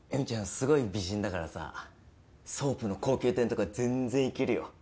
すごい美人だからさソープの高級店とか全然いけるよ。